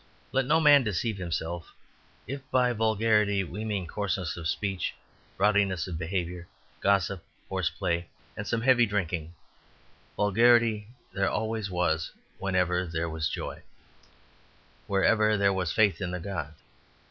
Let no man deceive himself; if by vulgarity we mean coarseness of speech, rowdiness of behaviour, gossip, horseplay, and some heavy drinking, vulgarity there always was wherever there was joy, wherever there was faith in the gods.